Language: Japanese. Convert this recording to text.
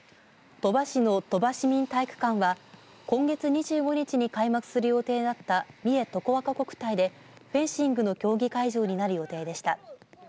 鳥羽市の鳥羽市民体育館は今月２５日に開幕する予定だった三重とこわか国体でフェンシングの競技会場になる予定でした。